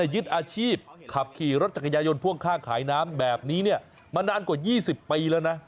รถจักรยายนพ่วงค่าขายน้ำแบบนี้มานานกว่า๒๐ปีแล้วนะ